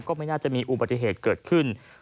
ไม่น่าจะมีอุบัติเหตุเกิดขึ้น